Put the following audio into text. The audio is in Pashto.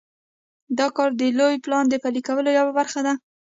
دا کار د لوی پلان د پلي کولو یوه برخه ده.